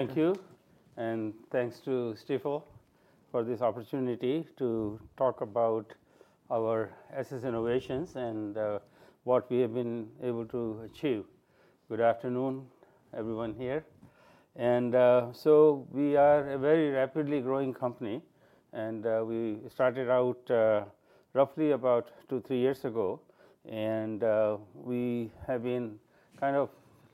Thank you, and thanks to Stifel for this opportunity to talk about our SS Innovations and what we have been able to achieve. Good afternoon, everyone here. We are a very rapidly growing company, and we started out roughly about two, three years ago. We have been kind of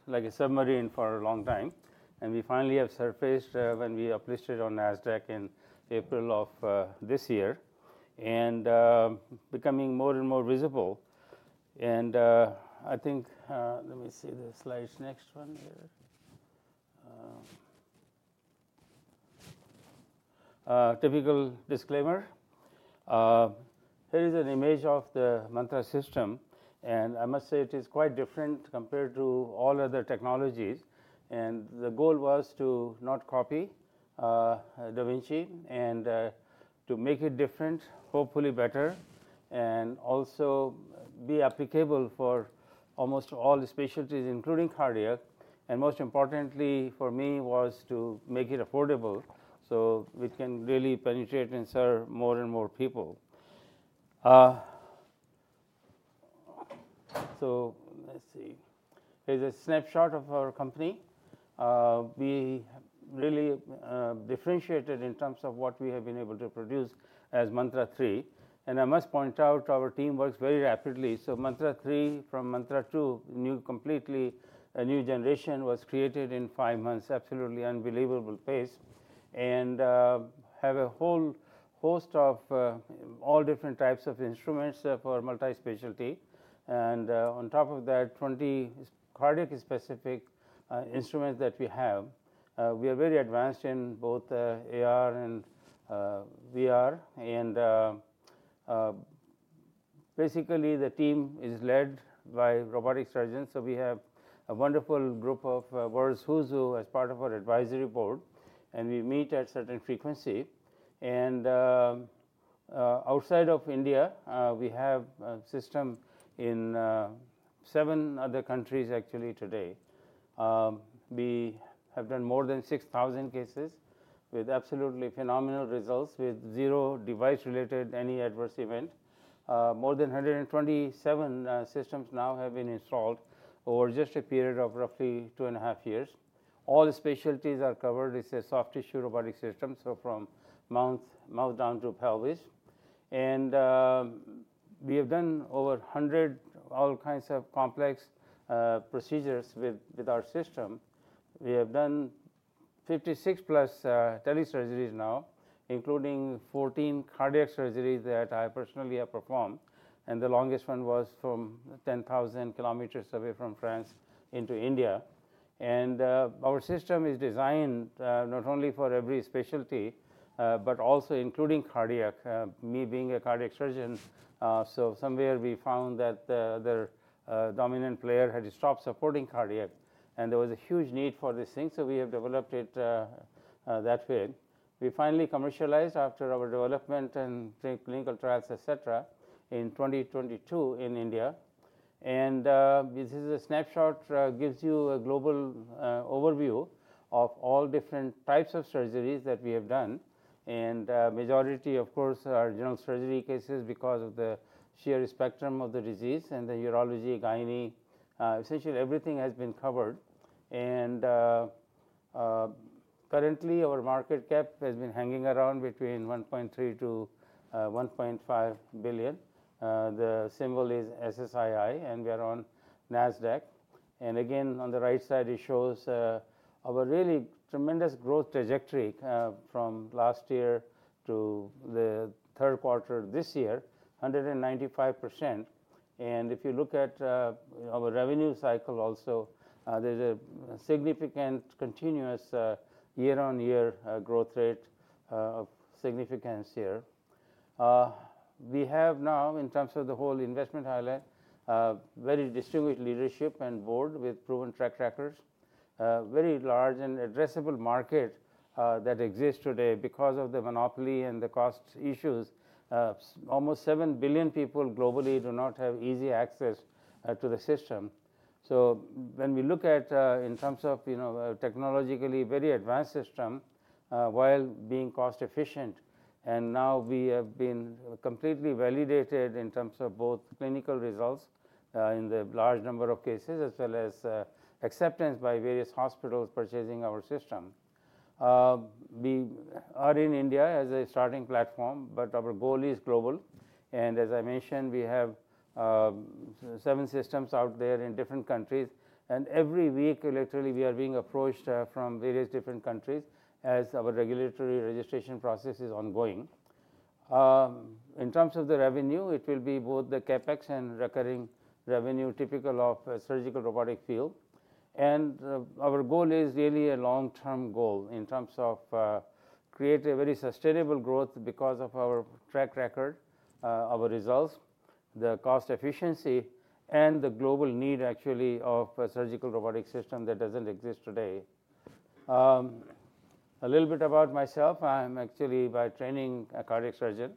like a submarine for a long time, and we finally have surfaced when we are listed on Nasdaq in April of this year, and becoming more and more visible. I think Let me see the slide. Next one here. Typical disclaimer. Here is an image of the SSi Mantra system, and I must say it is quite different compared to all other technologies. The goal was to not copy da Vinci and to make it different, hopefully better, and also be applicable for almost all specialties, including cardiac. Most importantly for me was to make it affordable, so we can really penetrate and serve more and more people. Let's see. Here's a snapshot of our company. We really differentiated in terms of what we have been able to produce as SSi Mantra 3. I must point out, our team works very rapidly. SSi Mantra 3 from SSi Mantra 2, completely a new generation was created in five months, absolutely unbelievable pace. Have a whole host of all different types of instruments for multi-specialty. On top of that, 20 cardiac-specific instruments that we have. We are very advanced in both AR and VR. Basically, the team is led by robotic surgeons. We have a wonderful group of world's who's who as part of our advisory board, and we meet at certain frequency. Outside of India, we have a system in seven other countries actually today. We have done more than 6,000 cases with absolutely phenomenal results, with zero device-related any adverse event. More than 127 systems now have been installed over just a period of roughly two and a half years. All specialties are covered. It's a soft tissue robotic system, so from mouth down to pelvis. We have done over 100, all kinds of complex procedures with our system. We have done 56 plus telesurgeries now, including 14 cardiac surgeries that I personally have performed. The longest one was from 10,000 kilometers away from France into India. Our system is designed not only for every specialty, but also including cardiac. Me being a cardiac surgeon, somewhere we found that the other dominant player had stopped supporting cardiac, and there was a huge need for this thing. We have developed it that way. We finally commercialized after our development and clinical trials, et cetera, in 2022 in India. This is a snapshot, gives you a global overview of all different types of surgeries that we have done. Majority, of course, are general surgery cases because of the sheer spectrum of the disease and the urology, gyne. Essentially everything has been covered. Currently, our market cap has been hanging around between $1.3 billion-$1.5 billion. The symbol is SSII, and we are on Nasdaq. Again, on the right side, it shows our really tremendous growth trajectory, from last year to the third quarter this year, 195%. If you look at our revenue cycle also, there's a significant continuous year-on-year growth rate of significance here. We have now, in terms of the whole investment highlight, very distributed leadership and board with proven track records. Very large and addressable market that exists today because of the monopoly and the cost issues. Almost 7 billion people globally do not have easy access to the system. When we look at in terms of technologically very advanced system, while being cost-efficient. Now we have been completely validated in terms of both clinical results, in the large number of cases, as well as acceptance by various hospitals purchasing our system. We are in India as a starting platform, but our goal is global. As I mentioned, we have seven systems out there in different countries. Every week, literally, we are being approached from various different countries as our regulatory registration process is ongoing. In terms of the revenue, it will be both the CapEx and recurring revenue, typical of surgical robotic field. Our goal is really a long-term goal in terms of create a very sustainable growth because of our track record, our results, the cost efficiency, and the global need actually of a surgical robotic system that doesn't exist today. A little bit about myself. I'm actually by training, a cardiac surgeon,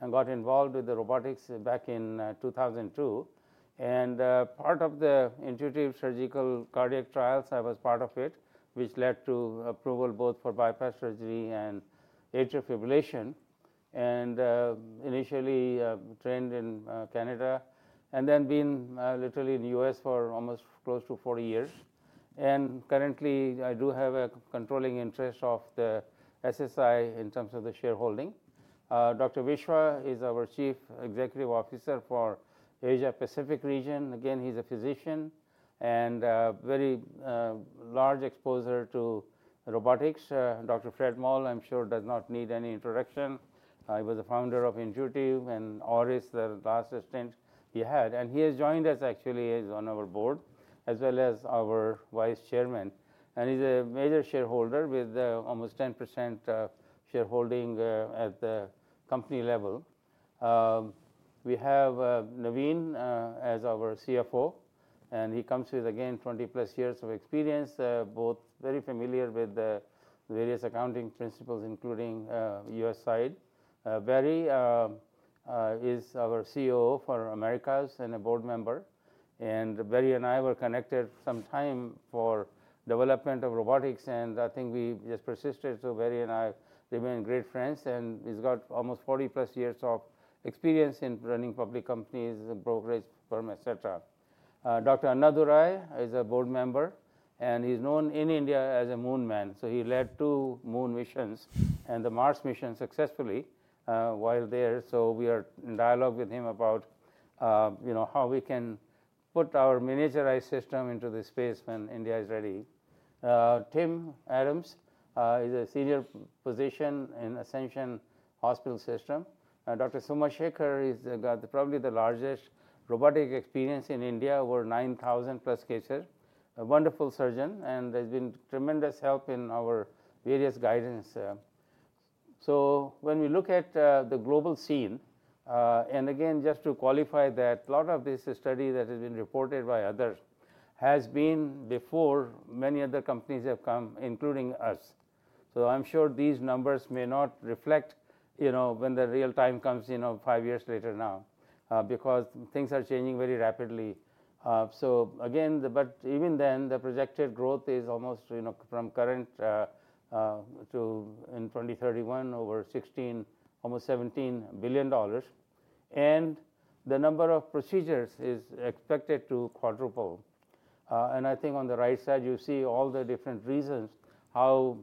and got involved with robotics back in 2002. Part of the Intuitive Surgical cardiac trials, I was part of it, which led to approval both for bypass surgery and atrial fibrillation. Initially, trained in Canada, then been literally in the U.S. for almost close to four years. Currently, I do have a controlling interest of the SSI in terms of the shareholding. Dr. Vishwa is our Chief Executive Officer for Asia Pacific region. He's a physician and very large exposure to robotics. Dr. Fred Moll, I'm sure does not need any introduction. He was a founder of Intuitive, and Auris, the last stint he had. He has joined us actually, he's on our board, as well as our Vice Chairman. He's a major shareholder with almost 10% shareholding at the company level. We have Naveen as our CFO, he comes with, again, 20+ years of experience, both very familiar with the various accounting principles, including U.S. side. Barry is our COO for Americas and a board member. Barry and I were connected some time for development of robotics, I think we just persisted. Barry and I remain great friends, he's got almost 40+ years of experience in running public companies and brokerage firm, et cetera. Dr Annadurai is a board member, he's known in India as a moon man. He led two moon missions, and the Mars mission successfully, while there. We are in dialogue with him about how we can put our miniaturized system into the space when India is ready. Tim Adams is a senior physician in Ascension Hospital system. Dr. Somashekar has got probably the largest robotic experience in India, over 9,000+ cases, a wonderful surgeon, and he's been tremendous help in our various guidance. When we look at the global scene, again, just to qualify that, lot of this study that has been reported by others has been before many other companies have come, including us. I'm sure these numbers may not reflect when the real time comes, five years later now, because things are changing very rapidly. Even then, the projected growth is almost, from current, in 2031, over $16 billion, almost $17 billion. The number of procedures is expected to quadruple. I think on the right side, you see all the different reasons how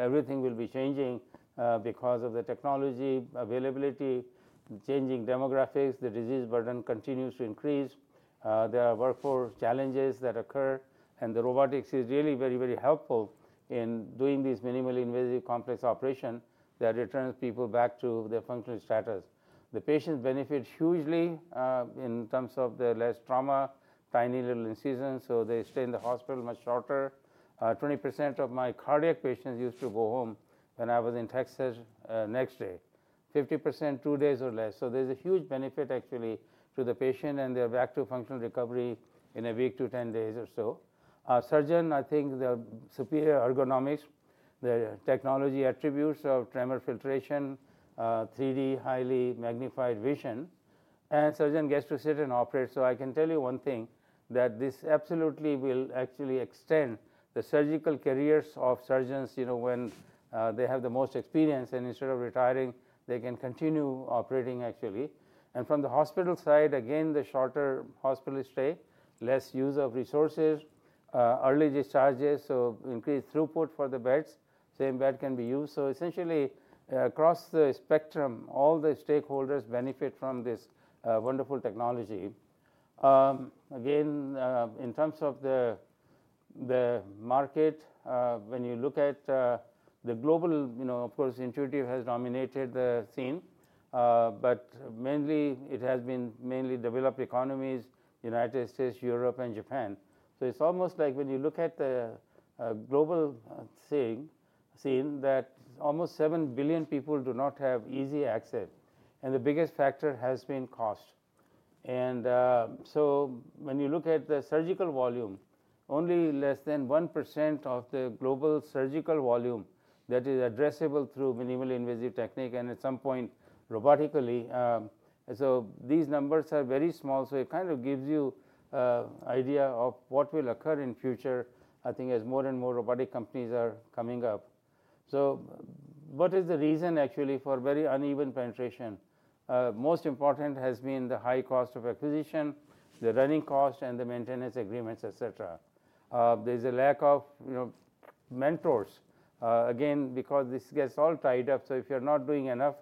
everything will be changing, because of the technology availability, changing demographics, the disease burden continues to increase. There are workforce challenges that occur, and the robotics is really very helpful in doing these minimally invasive complex operation that returns people back to their functional status. The patients benefit hugely, in terms of the less trauma, tiny little incisions, so they stay in the hospital much shorter. 20% of my cardiac patients used to go home when I was in Texas, next day. 50%, two days or less. There's a huge benefit actually to the patient, and they're back to functional recovery in a week to 10 days or so. Surgeon, I think the superior ergonomics, the technology attributes of tremor filtration, 3D highly magnified vision, and surgeon gets to sit and operate. I can tell you one thing, that this absolutely will actually extend the surgical careers of surgeons, when they have the most experience and instead of retiring, they can continue operating actually. From the hospital side, again, the shorter hospital stay, less use of resources, early discharges, so increased throughput for the beds, same bed can be used. Essentially, across the spectrum, all the stakeholders benefit from this wonderful technology. Again, in terms of the market, when you look at the global, of course, Intuitive has dominated the scene. Mainly, it has been mainly developed economies, United States, Europe, and Japan. It's almost like when you look at the global scene, that almost seven billion people do not have easy access, and the biggest factor has been cost. When you look at the surgical volume, only less than 1% of the global surgical volume that is addressable through minimally invasive technique, and at some point, robotically. These numbers are very small, so it kind of gives you an idea of what will occur in future, I think as more and more robotic companies are coming up. What is the reason actually for very uneven penetration? Most important has been the high cost of acquisition, the running cost, and the maintenance agreements, et cetera. There's a lack of mentors, again, because this gets all tied up. If you're not doing enough,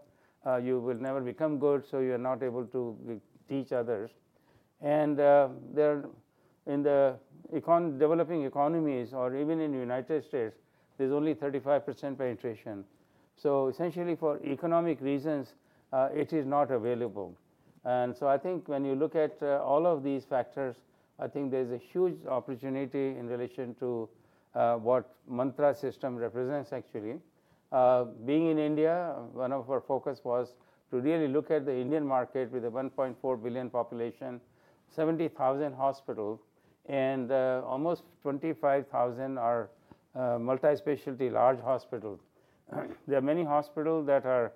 you will never become good, so you're not able to teach others. In the developing economies or even in the United States, there's only 35% penetration. Essentially for economic reasons, it is not available. I think when you look at all of these factors, I think there's a huge opportunity in relation to what Mantra System represents actually. Being in India, one of our focus was to really look at the Indian market with a 1.4 billion population, 70,000 hospitals. Almost 25,000 are multi-specialty large hospitals. There are many hospitals that are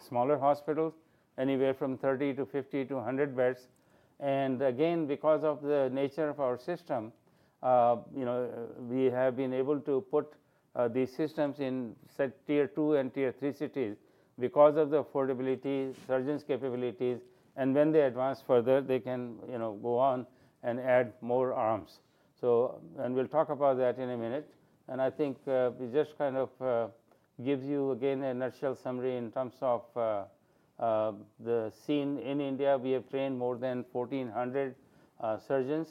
smaller hospitals, anywhere from 30 to 50 to 100 beds. Again, because of the nature of our system, we have been able to put these systems in set Tier 2 and Tier 3 cities because of the affordability, surgeons' capabilities. When they advance further, they can go on and add more arms. We'll talk about that in a minute. It just gives you again, a nutshell summary in terms of the scene in India. We have trained more than 1,400 surgeons.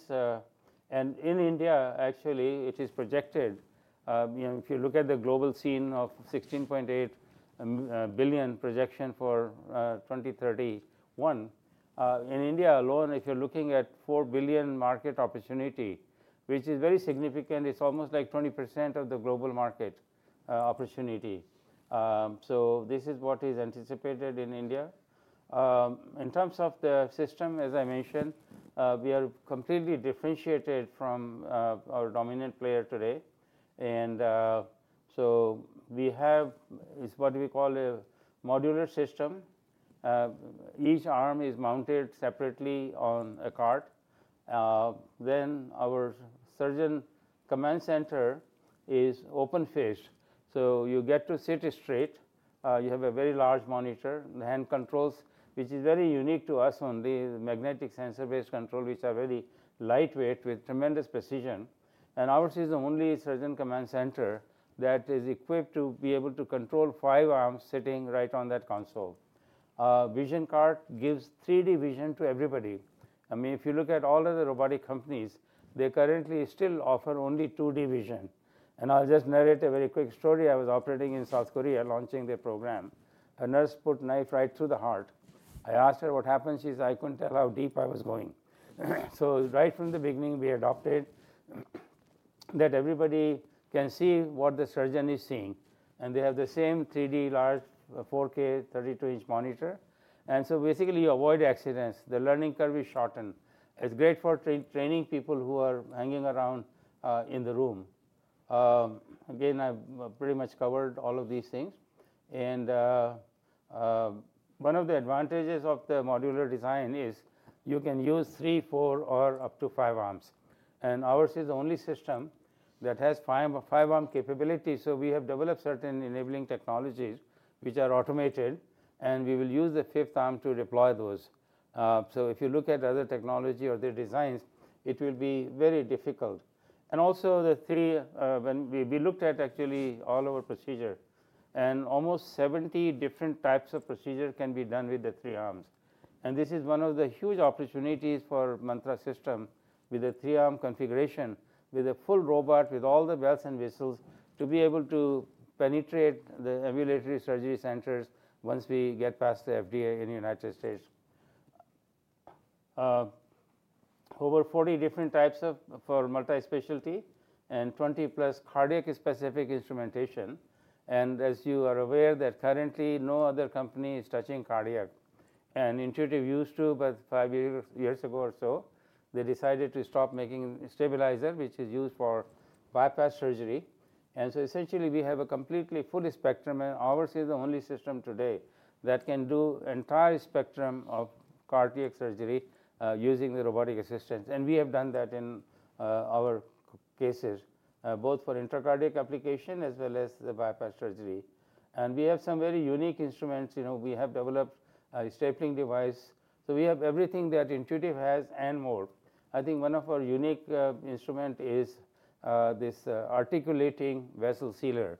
In India, actually, it is projected, if you look at the global scene of $16.8 billion projection for 2031. In India alone, if you're looking at $4 billion market opportunity, which is very significant, it's almost like 20% of the global market opportunity. This is what is anticipated in India. In terms of the system, as I mentioned, we are completely differentiated from our dominant player today. We have, is what we call a modular system. Each arm is mounted separately on a cart. Our surgeon command center is open-face. You get to sit straight. You have a very large monitor, hand controls, which is very unique to us on the magnetic sensor-based control, which are very lightweight with tremendous precision. Ours is the only surgeon command center that is equipped to be able to control five arms sitting right on that console. Vision cart gives 3D vision to everybody. If you look at all other robotic companies, they currently still offer only 2D vision. I'll just narrate a very quick story. I was operating in South Korea launching their program. A nurse put knife right through the heart. I asked her what happened. She says, "I couldn't tell how deep I was going." Right from the beginning, we adopted that everybody can see what the surgeon is seeing, and they have the same 3D large 4K 32-inch monitor. Basically, you avoid accidents. The learning curve is shortened. It's great for training people who are hanging around in the room. Again, I've pretty much covered all of these things. One of the advantages of the modular design is you can use three, four, or up to five arms. Ours is the only system that has five-arm capability. We have developed certain enabling technologies which are automated, and we will use the fifth arm to deploy those. If you look at other technology or their designs, it will be very difficult. We looked at actually all our procedure, and almost 70 different types of procedures can be done with the three arms. This is one of the huge opportunities for Mantra system with a three-arm configuration, with a full robot, with all the bells and whistles to be able to penetrate the ambulatory surgery centers once we get past the FDA in the U.S. Over 40 different types for multi-specialty and 20+ cardiac-specific instrumentation. As you are aware that currently no other company is touching cardiac. Intuitive used to, but five years ago or so, they decided to stop making stabilizer, which is used for bypass surgery. Essentially we have a completely full spectrum, and ours is the only system today that can do entire spectrum of cardiac surgery, using the robotic assistance. We have done that in our cases, both for intracardiac application as well as the bypass surgery. We have some very unique instruments. We have developed a stapling device. We have everything that Intuitive has and more. I think one of our unique instrument is this articulating vessel sealer.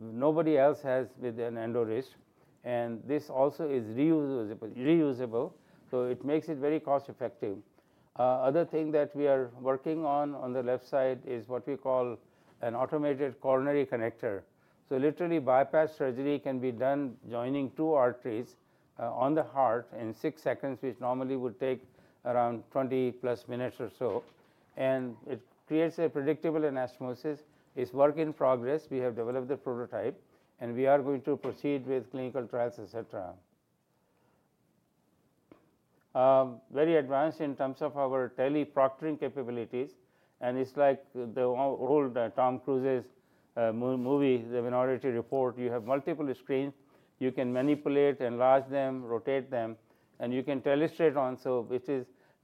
Nobody else has with an EndoWrist. This also is reusable, so it makes it very cost-effective. The other thing that we are working on the left side is what we call an automated coronary connector. Literally bypass surgery can be done joining two arteries on the heart in six seconds, which normally would take around 20+ minutes or so. It creates a predictable anastomosis. It is work in progress. We have developed the prototype, and we are going to proceed with clinical trials, et cetera. We are very advanced in terms of our teleproctoring capabilities, and it is like the old Tom Cruise’s movie, "Minority Report." You have multiple screens, you can manipulate, enlarge them, rotate them, and you can telestrate on.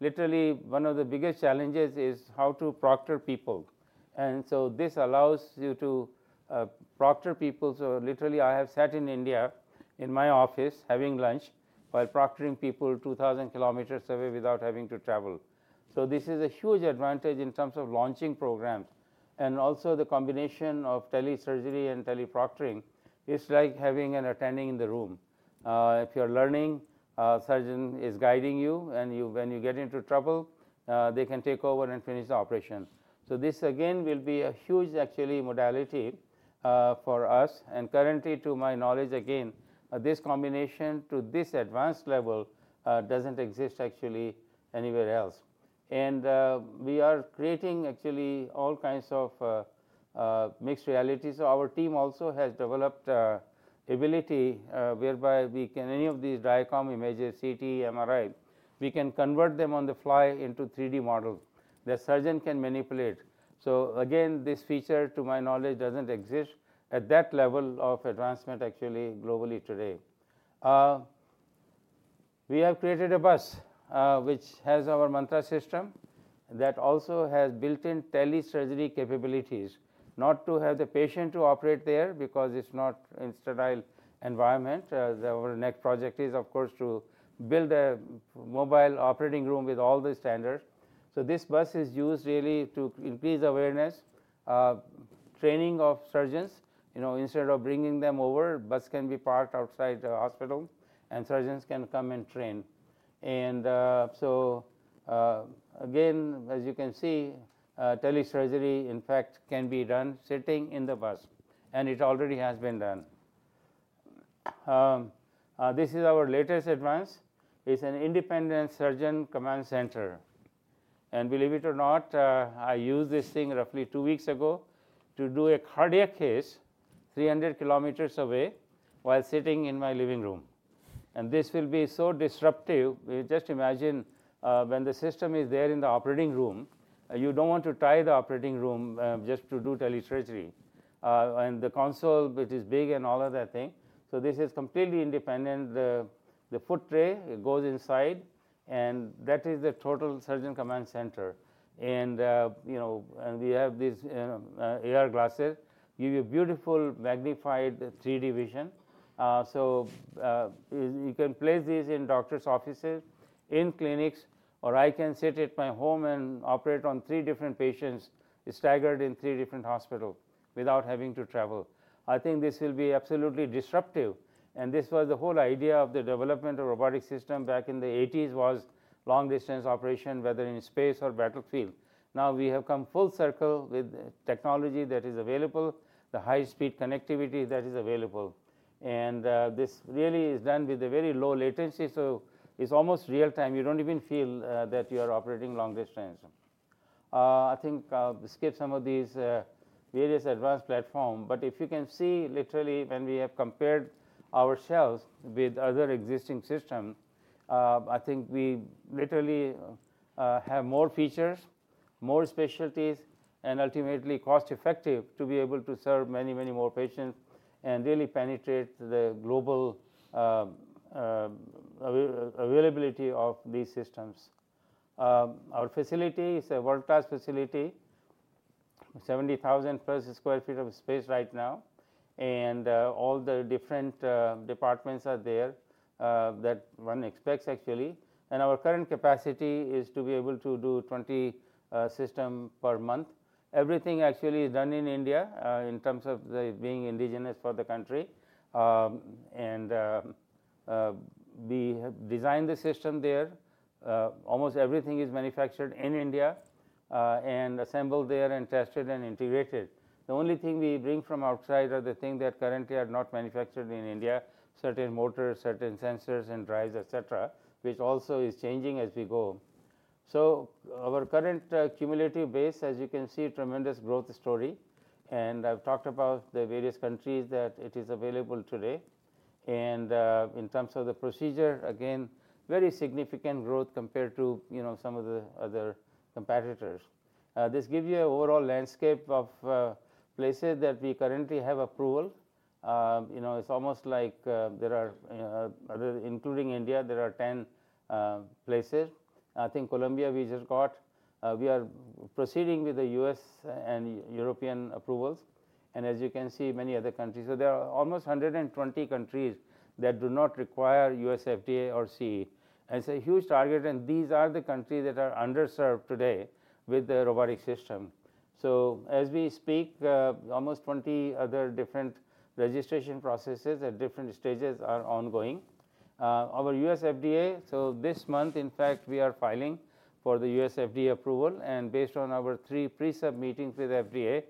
Literally one of the biggest challenges is how to proctor people. This allows you to proctor people. Literally, I have sat in India in my office having lunch while proctoring people 2,000 km away without having to travel. This is a huge advantage in terms of launching programs and also the combination of telesurgery and teleproctoring is like having an attending in the room. If you are learning, a surgeon is guiding you, and when you get into trouble, they can take over and finish the operation. This, again, will be a huge actually modality for us. Currently, to my knowledge, again, this combination to this advanced level, doesn't exist actually anywhere else. We are creating actually all kinds of mixed reality. Our team also has developed ability whereby we can, any of these DICOM images, CT, MRI, we can convert them on the fly into 3D model the surgeon can manipulate. Again, this feature, to my knowledge, doesn't exist at that level of advancement, actually, globally today. We have created a bus, which has our SSi Mantra system that also has built-in telesurgery capabilities. Not to have the patient to operate there, because it's not in sterile environment. Our next project is, of course, to build a mobile operating room with all the standards. This bus is used really to increase awareness, training of surgeons. Instead of bringing them over, bus can be parked outside the hospital, and surgeons can come and train. Again, as you can see, telesurgery, in fact, can be done sitting in the bus, and it already has been done. This is our latest advance. It is an independent surgeon command center. Believe it or not, I used this thing roughly two weeks ago to do a cardiac case 300 km away while sitting in my living room. This will be so disruptive. Just imagine when the system is there in the operating room, you don't want to tie the operating room, just to do telesurgery. The console is big and all of that thing. This is completely independent. The foot tray goes inside, and that is the total surgeon command center. We have these AR glasses give you beautiful magnified 3D vision. You can place these in doctor's offices, in clinics, or I can sit at my home and operate on three different patients staggered in three different hospitals without having to travel. I think this will be absolutely disruptive, and this was the whole idea of the development of robotic system back in the '80s, was long-distance operation, whether in space or battlefield. Now we have come full circle with technology that is available, the high-speed connectivity that is available. This really is done with a very low latency, so it's almost real time. You don't even feel that you are operating long distance. I think I'll skip some of these various advanced platform, but if you can see literally when we have compared ourselves with other existing system, I think we literally have more features, more specialties, and ultimately cost-effective to be able to serve many, many more patients and really penetrate the global availability of these systems. Our facility is a world-class facility, 70,000+ sq ft of space right now. All the different departments are there, that one expects actually. Our current capacity is to be able to do 20 system per month. Everything actually is done in India, in terms of being indigenous for the country. We have designed the system there. Almost everything is manufactured in India, assembled there, and tested and integrated. The only thing we bring from outside are the thing that currently are not manufactured in India, certain motors, certain sensors and drives, et cetera, which also is changing as we go. Our current cumulative base, as you can see, tremendous growth story. I've talked about the various countries that it is available today. In terms of the procedure, again, very significant growth compared to some of the other competitors. This gives you overall landscape of places that we currently have approval. It's almost like there are, including India, there are 10 places. I think Colombia, we just got. We are proceeding with the U.S. and European approvals, as you can see, many other countries. There are almost 120 countries that do not require U.S. FDA or CE. It's a huge target, and these are the countries that are underserved today with the robotic system. As we speak, almost 20 other different registration processes at different stages are ongoing. Our U.S. FDA, this month, in fact, we are filing for the U.S. FDA approval, and based on our three pre-sub meetings with FDA,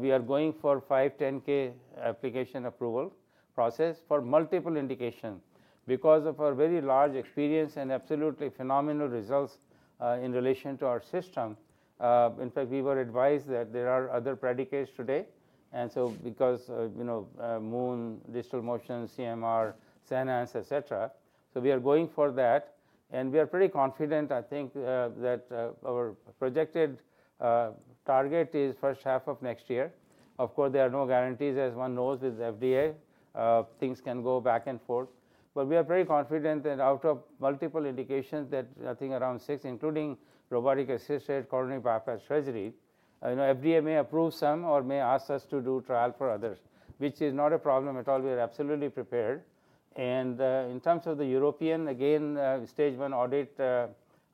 we are going for 510(k) application approval process for multiple indication. Because of our very large experience and absolutely phenomenal results, in relation to our system. In fact, we were advised that there are other predicates today. Because Moon, Distalmotion, CMR, Senhance, et cetera. We are going for that, and we are pretty confident, I think, that our projected target is first half of next year. Of course, there are no guarantees, as one knows with FDA. Things can go back and forth. We are very confident that out of multiple indications that I think around six, including robotic-assisted coronary bypass surgery. FDA may approve some or may ask us to do trial for others, which is not a problem at all. We are absolutely prepared. In terms of the European, again, stage 1 audit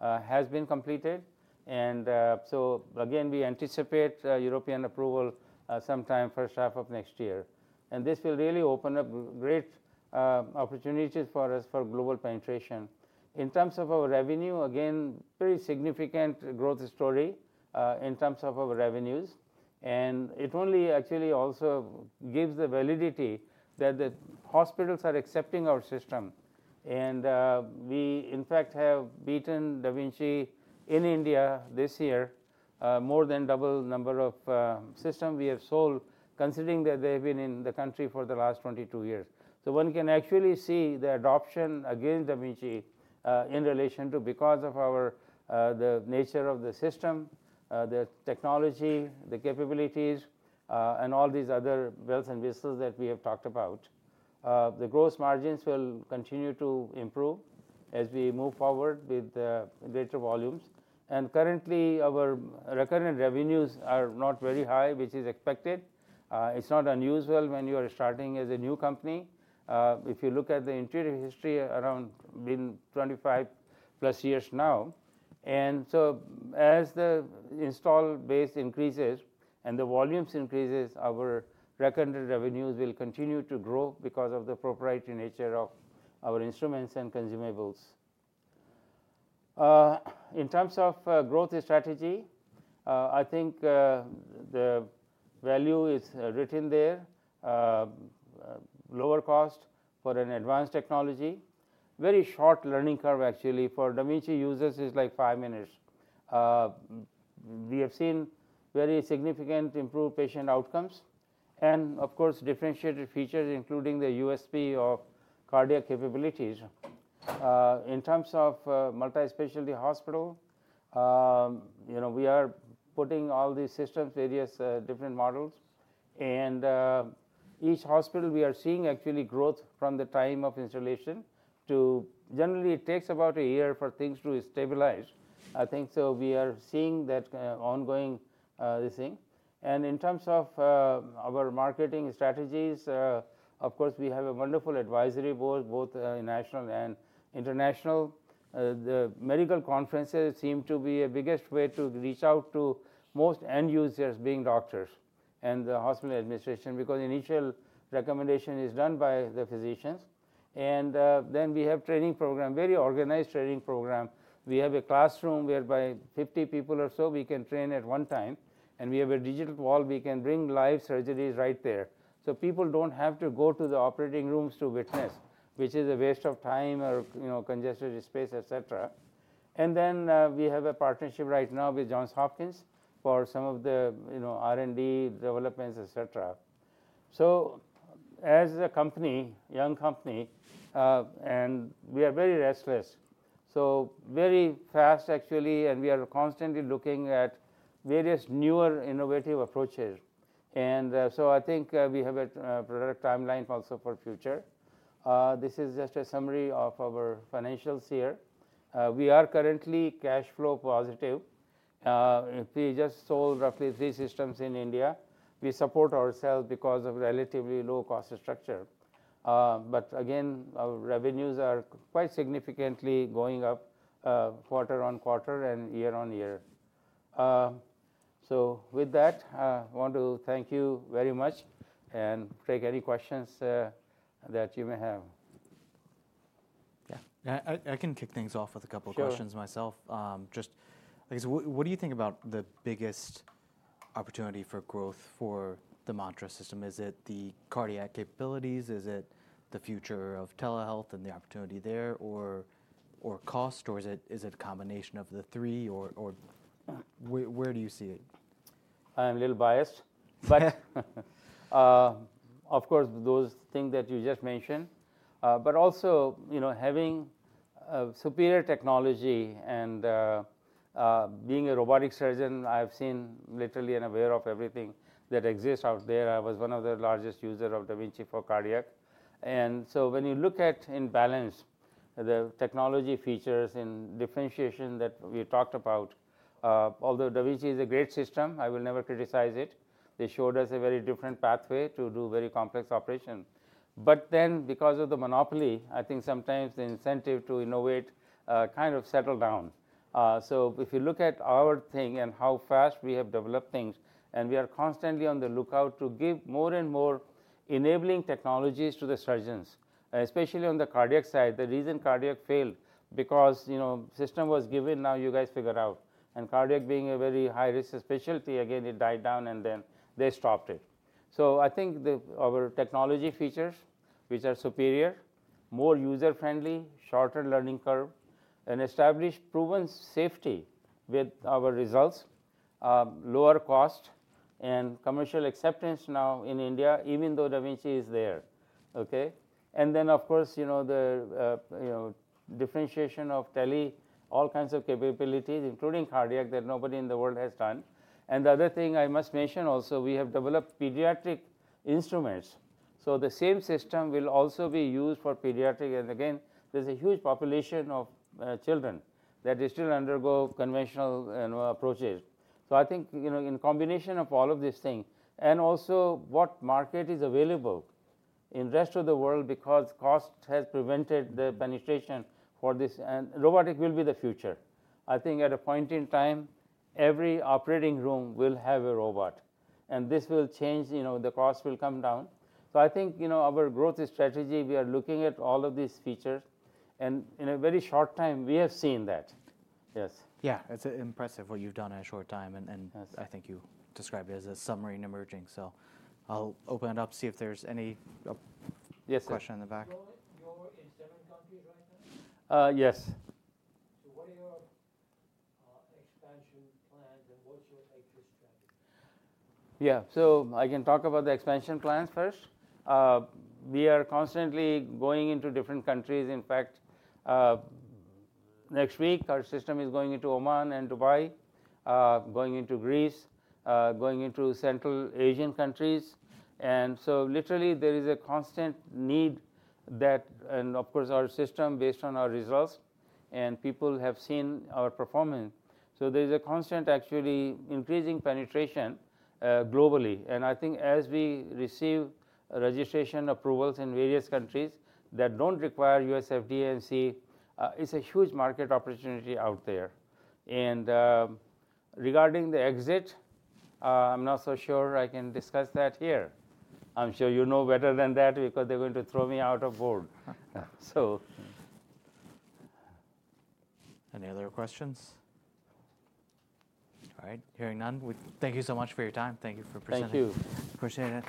has been completed. Again, we anticipate European approval sometime first half of next year. This will really open up great opportunities for us for global penetration. In terms of our revenue, again, very significant growth story, in terms of our revenues. It only actually also gives the validity that the hospitals are accepting our system. We, in fact, have beaten da Vinci in India this year, more than double number of system we have sold, considering that they've been in the country for the last 22 years. One can actually see the adoption against da Vinci in relation to because of the nature of the system, the technology, the capabilities, and all these other bells and whistles that we have talked about. The gross margins will continue to improve as we move forward with greater volumes. Currently, our recurrent revenues are not very high, which is expected. It's not unusual when you are starting as a new company. If you look at the Intuitive history, around been 25+ years now. As the install base increases and the volumes increases, our recurrent revenues will continue to grow because of the proprietary nature of our instruments and consumables. In terms of growth strategy, I think the value is written there. Lower cost for an advanced technology. Very short learning curve actually, for da Vinci users, it's 5 minutes. We have seen very significant improved patient outcomes and, of course, differentiated features, including the USP of cardiac capabilities. In terms of multi-specialty hospital, we are putting all these systems, various different models, and each hospital, we are seeing actually growth from the time of installation. Generally, it takes about one year for things to stabilize, I think. We are seeing that ongoing thing. In terms of our marketing strategies, of course, we have a wonderful advisory board, both national and international. The medical conferences seem to be a biggest way to reach out to most end users, being doctors and the hospital administration, because initial recommendation is done by the physicians. We have training program, very organized training program. We have a classroom whereby 50 people or so we can train at one time, and we have a digital wall, we can bring live surgeries right there. People don't have to go to the operating rooms to witness, which is a waste of time or congested space, et cetera. We have a partnership right now with Johns Hopkins for some of the R&D developments, et cetera. As a young company, we are very restless, very fast actually, we are constantly looking at various newer innovative approaches. I think we have a product timeline also for future. This is just a summary of our financials here. We are currently cash flow positive. We just sold roughly three systems in India. We support ourselves because of relatively low cost structure. Again, our revenues are quite significantly going up quarter-on-quarter and year-on-year. With that, I want to thank you very much and take any questions that you may have. Yeah. I can kick things off with a couple questions- Sure myself. Just because what do you think about the biggest opportunity for growth for the Mantra system? Is it the cardiac capabilities? Is it the future of telehealth and the opportunity there, or cost, or is it a combination of the three? Where do you see it? I'm a little biased, of course, those things that you just mentioned. Also, having superior technology and being a robotic surgeon, I've seen literally and aware of everything that exists out there. I was one of the largest user of da Vinci for cardiac. When you look at in balance, the technology features and differentiation that we talked about, although da Vinci is a great system, I will never criticize it. They showed us a very different pathway to do very complex operation. Because of the monopoly, I think sometimes the incentive to innovate kind of settle down. If you look at our thing and how fast we have developed things, and we are constantly on the lookout to give more and more enabling technologies to the surgeons, especially on the cardiac side. The reason cardiac failed, because system was given, now you guys figure out. Cardiac being a very high-risk specialty, again, it died down. Then they stopped it. I think our technology features, which are superior, more user-friendly, shorter learning curve, an established proven safety with our results, lower cost, and commercial acceptance now in India, even though da Vinci is there. Okay? Of course, the differentiation of tele, all kinds of capabilities, including cardiac, that nobody in the world has done. The other thing I must mention also, we have developed pediatric instruments. The same system will also be used for pediatric, again, there's a huge population of children, that they still undergo conventional approaches. I think, in combination of all of these things, and also what market is available in rest of the world because cost has prevented the penetration for this. Robotic will be the future. I think at a point in time, every operating room will have a robot. This will change, the cost will come down. I think, our growth strategy, we are looking at all of these features, and in a very short time, we have seen that. Yes. Yeah. It's impressive what you've done in a short time. Yes I think you described it as a summary and emerging. I'll open it up. Yep See if there's any question in the back. You're in seven countries right now? Yes. What are your expansion plans, and what's your exit strategy? I can talk about the expansion plans first. We are constantly going into different countries. In fact, next week our system is going into Oman and Dubai, going into Greece, going into Central Asian countries. Literally, there is a constant need, and, of course, our system based on our results, and people have seen our performance. There's a constant, actually, increasing penetration globally. I think as we receive registration approvals in various countries that don't require U.S. FDA and CE, it's a huge market opportunity out there. Regarding the exit, I'm not so sure I can discuss that here. I'm sure you know better than that because they're going to throw me out of board. Any other questions? All right. Hearing none, thank you so much for your time. Thank you for presenting. Thank you. Appreciate it